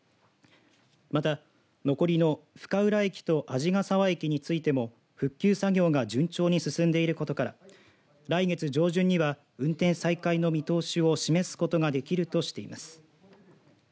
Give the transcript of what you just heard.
また、残りの深浦駅と鯵ケ沢駅についても復旧作業が順調に進んでいることから来月上旬中には運転再開の見通しを示すことができるとしています。